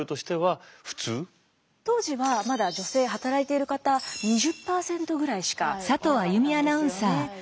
当時はまだ女性働いている方２０％ぐらいしかいなかったんですよね。